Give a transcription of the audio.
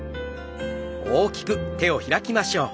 大きく手を開きましょう。